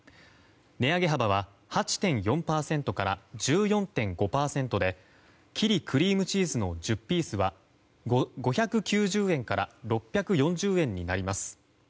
値上げ幅は８．４％から１４．５％でキリクリームチーズの１０ピースは５９０円から６４０円になります。